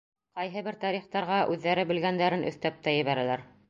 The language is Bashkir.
Ҡайһы бер тарихтарға үҙҙәре белгәндәрен өҫтәп тә ебәрәләр.